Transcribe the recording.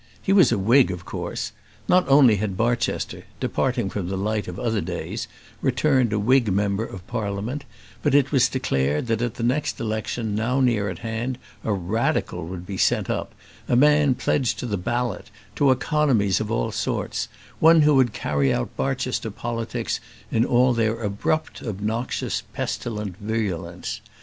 He was a Whig, of course. Not only had Barchester, departing from the light of other days, returned a Whig member of Parliament, but it was declared, that at the next election, now near at hand, a Radical would be sent up, a man pledged to the ballot, to economies of all sorts, one who would carry out Barchester politics in all their abrupt, obnoxious, pestilent virulence.